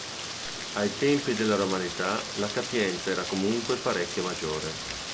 Ai tempi della romanità, la capienza era comunque parecchio maggiore.